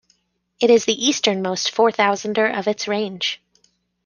It is the easternmost four-thousander of its range.